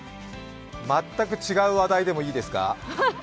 全く違う話題でもいいですか？